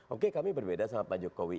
oke kami berbeda sama pak jokowi